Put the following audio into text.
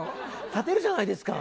立てるじゃないですか！